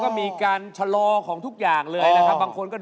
เพราะว่ารายการหาคู่ของเราเป็นรายการแรกนะครับ